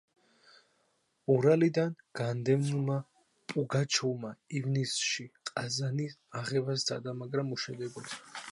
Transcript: ურალიდან განდევნილმა პუგაჩოვმა ივნისში ყაზანის აღება სცადა, მაგრამ უშედეგოდ.